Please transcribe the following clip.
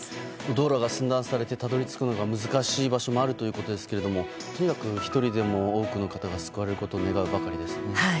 道路が寸断されてたどり着くのが難しい場所もあるということですけれどもとにかく１人でも多くの方が救われることを願うばかりですね。